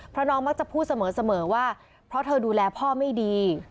เพราะน้องมักจะพูดเสมอว่าเพราะเธอดูแลพ่อไม่ดี